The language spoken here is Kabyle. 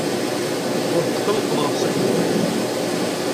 Ur tetqellqeḍ ɣef Si Ḥmed Waɛli.